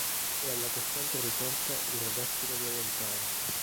È alla costante ricerca di ragazzi da violentare.